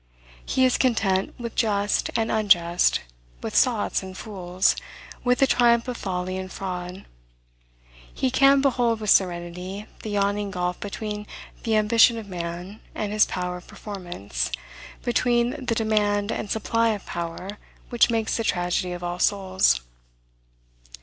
He is content with just and unjust, with sots and fools, with the triumph of folly and fraud. He can behold with serenity the yawning gulf between the ambition of man and his power of performance, between the demand and supply of power, which makes the tragedy of all souls.